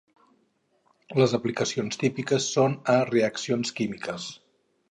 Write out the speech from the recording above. Les aplicacions típiques són a reaccions químiques.